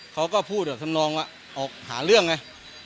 เขาก็พูดทำนองว่าออกหาเรื่องไง